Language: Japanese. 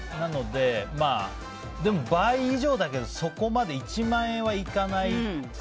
でも、倍以上だけどそこまで１万円はいかない。